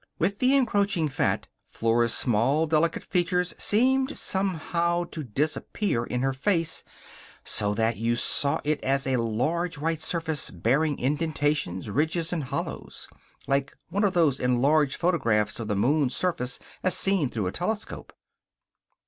With the encroaching fat, Flora's small, delicate features seemed, somehow, to disappear in her face, so that you saw it as a large white surface bearing indentations, ridges, and hollows like one of those enlarged photographs of the moon's surface as seen through a telescope.